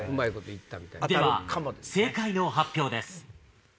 では正解の発表です。